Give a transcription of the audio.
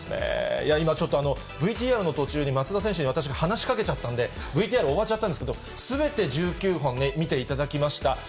いや今、ちょっと、ＶＴＲの途中に松田選手に私が話しかけちゃったんで、ＶＴＲ終わっちゃったんですけど、すべて１９本見ていただきました。